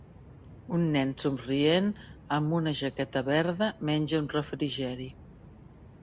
Un nen somrient amb una jaqueta verda menja un refrigeri